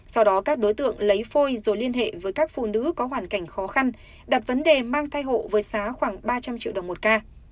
sau đó các đối tượng lấy phôi rồi liên hệ với các phụ nữ có hoàn cảnh khó khăn đặt vấn đề mang thai hộ với giá khoảng ba trăm linh triệu đồng một ca